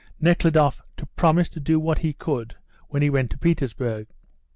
Nekhludoff promised to do what he could when he went to Petersburg.